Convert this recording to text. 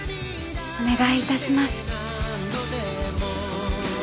お願いいたします。